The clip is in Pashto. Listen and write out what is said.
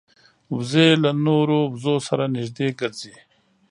وزې له نورو وزو سره نږدې ګرځي